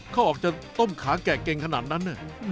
เขาออกจะต้มขาแกะเก่งขนาดนั้น